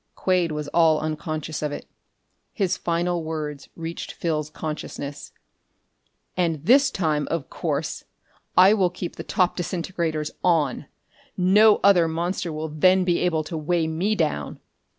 Quade was all unconscious of it. His final words reached Phil's consciousness. "... And this time, of course, I will keep the top disintegrators on. No other monster will then be able to weigh me down!"